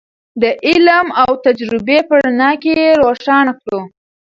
د علم او تجربې په رڼا کې یې روښانه کړو.